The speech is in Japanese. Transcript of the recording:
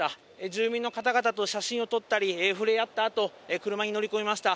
住民の方々と写真を撮ったり、ふれあったあと、車に乗り込みました。